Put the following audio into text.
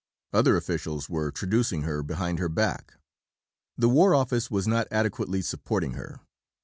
Other officials were traducing her behind her back. The War Office was not adequately supporting her.